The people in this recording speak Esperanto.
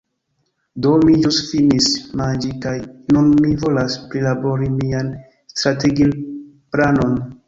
Do, mi ĵus finis manĝi kaj nun mi volas prilabori mian strategiplanon